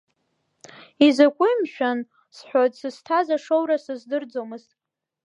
Изакуи мшәан сҳәоит, сызҭаз ашоура сыздырӡомызт.